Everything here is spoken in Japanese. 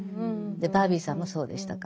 バービーさんもそうでしたか。